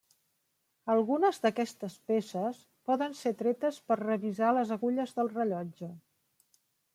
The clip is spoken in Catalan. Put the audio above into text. Algunes d'aquestes peces poden ser tretes per revisar les agulles del rellotge.